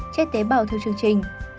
chết tế bào theo chương trình